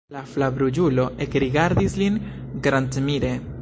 La flavruĝulo ekrigardis lin grandmire.